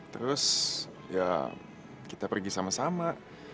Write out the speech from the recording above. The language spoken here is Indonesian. terus ya kita pergi sama sama